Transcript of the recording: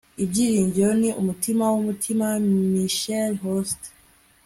ibyiringiro ni umutima wumutima. - michelle horst